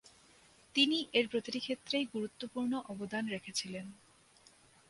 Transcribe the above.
তিনি এর প্রতিটি ক্ষেত্রেই গুরুত্বপূর্ণ অবদান রেখেছিলেন।